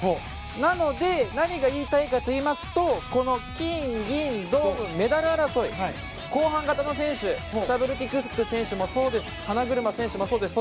なので、何が言いたいかといいますと金、銀、銅のメダル争い後半型の選手スタブルティ・クック選手も花車選手もそうです。